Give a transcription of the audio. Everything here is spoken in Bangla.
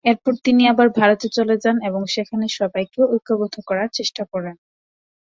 এরপর তিনি আবার ভারতে চলে যান এবং সেখানে সবাইকে ঐক্যবদ্ধ করার চেষ্টা করেন।